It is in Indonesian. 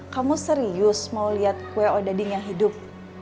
kamu serius mau liat kue odadi yang hidup